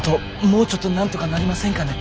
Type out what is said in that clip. もうちょっとなんとかなりませんかね？